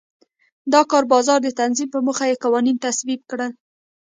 د کار بازار د تنظیم په موخه یې قوانین تصویب کړل.